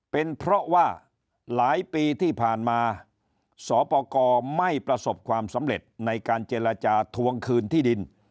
เป็นเพราะว่าหลายปีที่ผ่านมาสปกรไม่ประสบความสำเร็จในการเจรจาทวงคืนที่ดิน